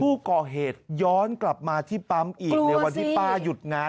ผู้ก่อเหตุย้อนกลับมาที่ปั๊มอีกในวันที่ป้าหยุดงาน